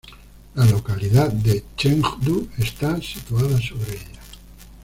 La localidad de Chengdu está situada sobre ella.